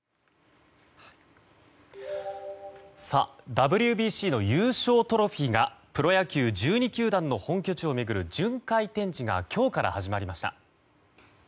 ＷＢＣの優勝トロフィーがプロ野球１２球団の本拠地を巡る巡回展示が今日から始まりました。